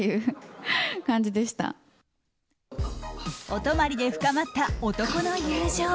お泊まりで深まった男の友情。